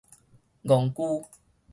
戇龜